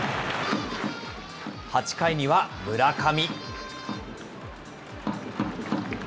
８回には村上。